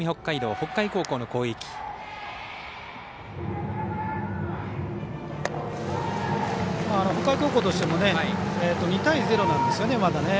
北海高校としても２対０なんですよね、まだ。